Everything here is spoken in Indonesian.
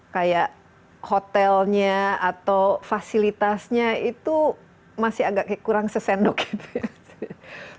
kayak hotelnya atau fasilitasnya itu masih agak kurang sesendok gitu ya